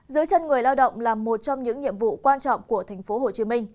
dưới chân người lao động là một trong những nhiệm vụ quan trọng của tp hcm